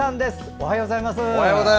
おはようございます。